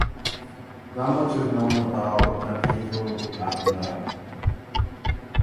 Not much is known about Van Hasel after that.